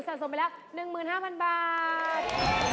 ตอนนี้ลิวสะสมไปละ๑๕๐๐๐บาท